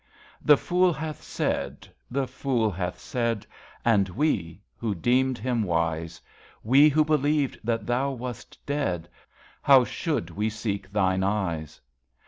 The fool hath said ... The fool hath said . And we, who deemed him wise, We, who believed that Thou wast dead, How should we seek Thine eyes